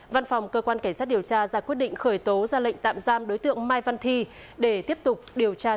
văn phòng cơ quan cảnh sát điều tra ra quyết định khởi tố ra lệnh tạm giam đối tượng mai văn thi để tiếp tục điều tra